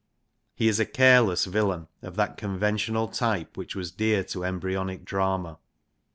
He is a careless villain of that conventional type which was dear to embryonic drama.